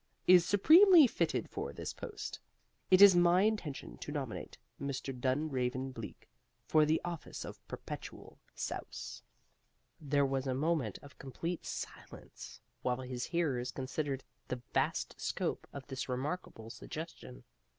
is supremely fitted for this post. It is my intention to nominate Mr. Dunraven Bleak for the office of Perpetual Souse." There was a moment of complete silence while his hearers considered the vast scope of this remarkable suggestion.